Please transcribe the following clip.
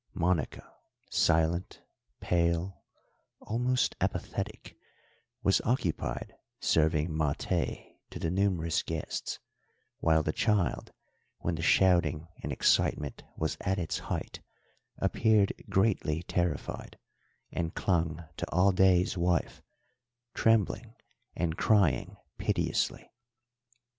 Monica, silent, pale, almost apathetic, was occupied serving maté to the numerous guests; while the child, when the shouting and excitement was at its height, appeared greatly terrified, and clung to Alday's wife, trembling and crying piteously.